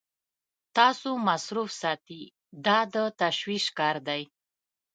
تاسو مصروف ساتي دا د تشویش کار دی.